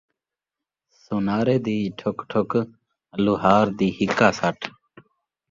سنارے دی ٹھُک ٹھُک ، لوہار دی ہکّا سٹ